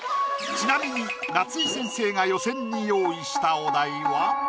ちなみに夏井先生が予選に用意したお題は。